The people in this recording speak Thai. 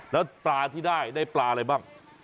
แล้วปลาที่ได้ได้ปลาอะไรบ้าง